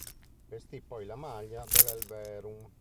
Vestì poi la maglia dell'Elverum.